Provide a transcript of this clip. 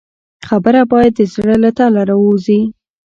خبره باید د زړه له تله راووځي.